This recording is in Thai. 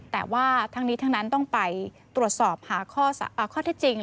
แต่ว่าทั้งนี้ทั้งนั้นต้องไปตรวจสอบหาข้อเท็จจริง